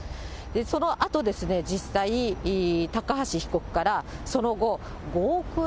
そのあとですね、実際、高橋被告からその後、５億円